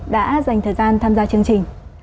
đã dành thời gian tham gia chương trình